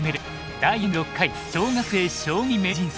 第４６回小学生将棋名人戦。